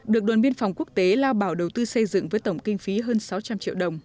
được đoàn biên phòng quốc tế lao bảo đầu tư xây dựng với tổng kinh phí hơn sáu trăm linh triệu đồng